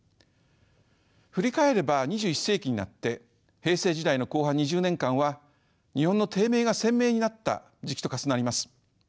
振り返れば２１世紀になって平成時代の後半２０年間は日本の低迷が鮮明になった時期と重なります。